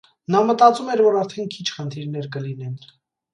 Նա մտածում էր, որ արդեն քիչ խնդիրներ կլինեն։